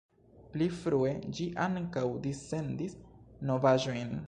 Pli frue ĝi ankaŭ dissendis novaĵojn.